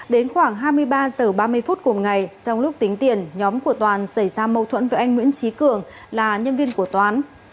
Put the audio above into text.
đến khoảng hai mươi ba h ba mươi phút cùng ngày trong lúc tính tiền nhóm của toàn xảy ra mâu thuẫn với anh nguyễn trí cường là nhân viên của toàn